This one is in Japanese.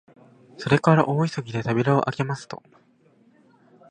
それから大急ぎで扉をあけますと、